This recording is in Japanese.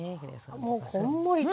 もうこんもりと。